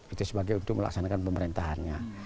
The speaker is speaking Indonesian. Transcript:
itu sebagai untuk melaksanakan pemerintahannya